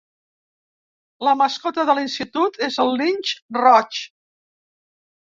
La mascota de l'institut és el linx roig.